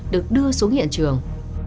được đưa xuống hiện trường